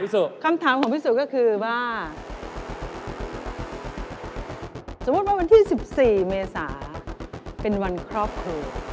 สมมุติว่าวันที่๑๔เมษาเป็นวันครอบครัว